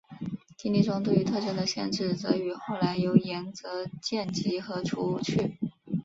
定理中对于特征的限制则与后来由岩泽健吉和除去。